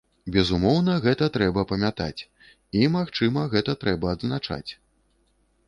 Безумоўна, гэта трэба памятаць, і, магчыма, гэта трэба адзначаць.